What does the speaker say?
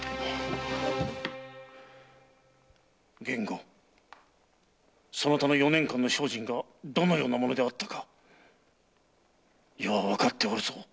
源吾そなたの四年間の精進がどのようなものであったか余はわかっておるぞ。